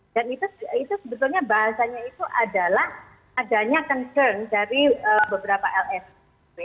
dan itu sebetulnya bahasanya itu adalah adanya concern dari beberapa lsm